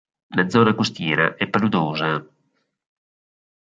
La zona costiera è paludosa.